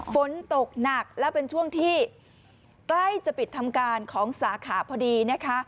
ฝนตกหนักและเป็นช่วงที่ใกล้จะปิดทำการของสาขาพอดีนะคะ